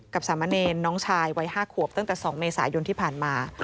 สามะเนรน้องชายวัย๕ขวบตั้งแต่๒เมษายนที่ผ่านมา